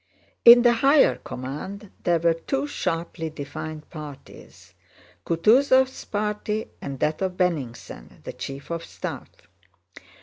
In the higher command there were two sharply defined parties: Kutúzov's party and that of Bennigsen, the chief of staff.